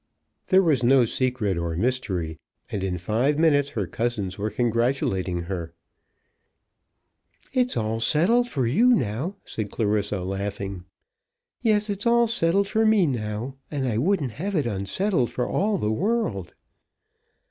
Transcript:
There was no secret or mystery, and in five minutes her cousins were congratulating her. "It's all settled for you now," said Clarissa laughing. "Yes, it's all settled for me now, and I wouldn't have it unsettled for all the world."